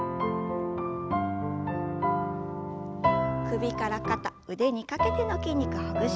首から肩腕にかけての筋肉ほぐします。